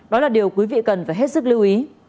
đó là điều quý vị cần phải hết sức lưu ý